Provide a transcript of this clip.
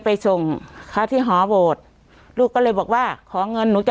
ไปส่งเขาที่หอโบสถ์ลูกก็เลยบอกว่าขอเงินหนูจะ